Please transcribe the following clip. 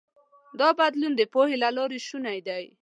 دا بدلون د پوهې له لارې شونی دی.